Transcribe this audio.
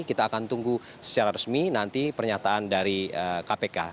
kita akan tunggu secara resmi nanti pernyataan dari kpk